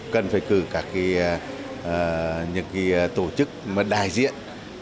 cần phải cử các cái những cái tổ chức mà đại diện